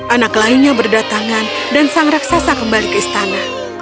anak lainnya berdatangan dan sang raksasa kembali ke istana